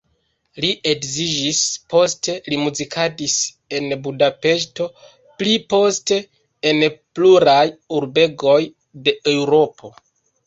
Li edziĝis, poste li muzikadis en Budapeŝto, pli poste en pluraj urbegoj de Eŭropo.